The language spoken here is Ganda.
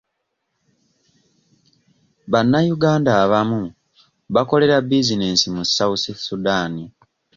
Bannayuganda abamu bakolera bizinensi mu south sudan.